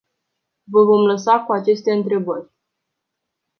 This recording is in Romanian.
Vă vom lăsa cu aceste întrebări.